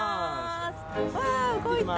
わ動いた。